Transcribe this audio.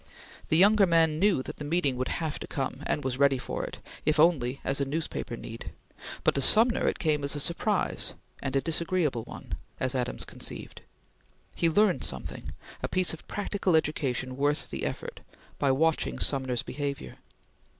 The younger man knew that the meeting would have to come, and was ready for it, if only as a newspaper need; but to Sumner it came as a surprise and a disagreeable one, as Adams conceived. He learned something a piece of practical education worth the effort by watching Sumner's behavior.